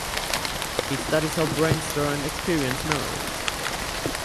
He studies how brains store and experience memories.